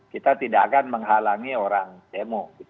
kita tidak akan menghalangi orang demo